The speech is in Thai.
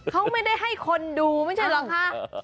เขาไม่ได้ให้คนดูไม่ใช่เหรอคะ